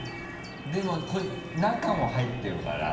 でもこれ中も入ってるから。